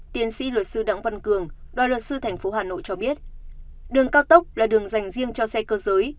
tiến sĩ luật sư đặng văn cường đoàn luật sư tp hà nội cho biết đường cao tốc là đường dành riêng cho xe cơ giới